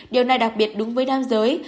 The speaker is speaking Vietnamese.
điều này đặc biệt đúng với đam giới